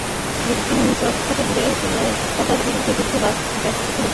তিনি মিশর থেকে দূরে সিরিয়ায় তাঁর চাচার বিরুদ্ধে যুদ্ধে ব্যস্ত ছিলেন।